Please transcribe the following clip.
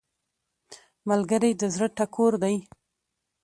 ملګری د زړه ټکور دی